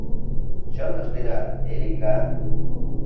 — Чын ыштена́т, Элика́.